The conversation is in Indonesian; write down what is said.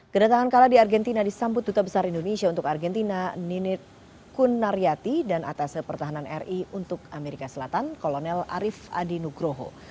kedatangan kala di argentina disambut duta besar indonesia untuk argentina ninit kunaryati dan atas pertahanan ri untuk amerika selatan kolonel arief adi nugroho